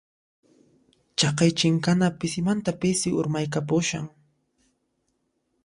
Chaqay chinkana pisimanta pisi urmaykapushan.